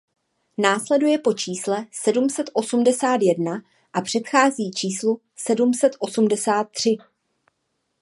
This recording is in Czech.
Následuje po čísle sedm set osmdesát jedna a předchází číslu sedm set osmdesát tři.